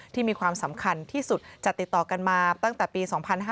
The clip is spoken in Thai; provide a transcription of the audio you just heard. มีความสำคัญที่สุดจัดติดต่อกันมาตั้งแต่ปี๒๕๕๙